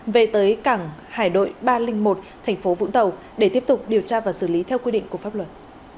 về tới cảng hải đội ba trăm linh một thành phố vũng tàu để tiếp tục điều tra và xử lý theo quy định của pháp luật